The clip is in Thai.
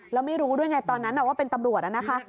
แล้วไม่รู้ด้วยไงตอนนั้นว่าเป็นตำรวจนะคะ